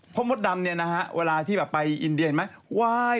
มดดำเนี่ยนะฮะเวลาที่แบบไปอินเดียเห็นไหม